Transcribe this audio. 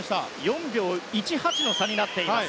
４秒１８の差になっています。